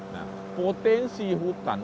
nah potensi hutan